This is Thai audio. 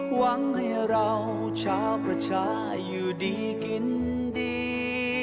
หวังให้เราชาวประชาอยู่ดีกินดี